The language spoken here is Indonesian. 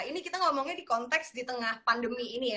ini kita ngomongnya di konteks di tengah pandemi ini ya